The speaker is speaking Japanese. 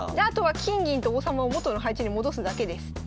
あとは金銀と王様を元の配置に戻すだけです。